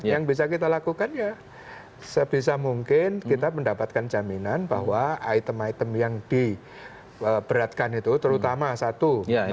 yang bisa kita lakukan ya sebisa mungkin kita mendapatkan jaminan bahwa item item yang diberatkan itu terutama satu